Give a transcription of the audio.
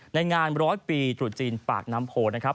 ในงานร้อยปีตรุษจีนปากน้ำโพนะครับ